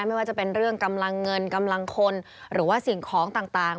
ไม่ว่าจะเป็นเรื่องกำลังเงินกำลังคนหรือว่าสิ่งของต่าง